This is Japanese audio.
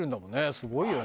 すごいよね。